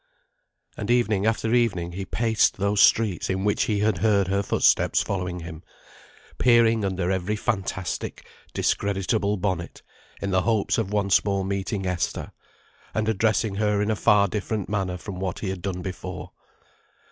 And evening after evening he paced those streets in which he had heard her footsteps following him, peering under every fantastic, discreditable bonnet, in the hopes of once more meeting Esther, and addressing her in a far different manner from what he had done before.